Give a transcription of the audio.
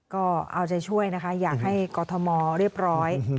ก็เอาใจช่วยนะคะอยากให้กรทมเรียบร้อย